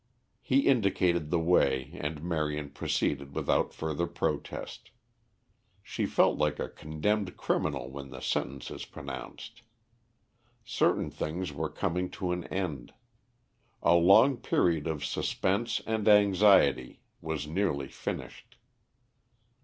He indicated the way and Marion proceeded without further protest. She felt like a condemned criminal when the sentence is pronounced. Certain things were coming to an end. A long period of suspense and anxiety was nearly finished.